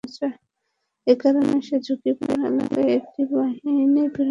এ কারণে সে ঝুঁকিপূর্ণ এলাকায় একটি বাহিনী প্রেরণ করা হয়।